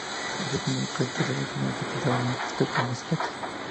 En el primer proyector las imágenes se pintaron en el cristal como siluetas.